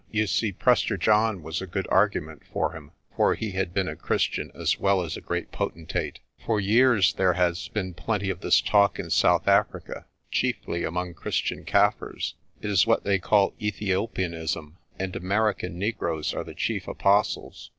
You see, Prester John was a good argument for him, for he had been a Christian as well as a great potentate. "For years there has been plenty of this talk in South Africa, chiefly among Christian Kaffirs. It is what they call 'Ethiopianism,' and American negroes are the chief apostles.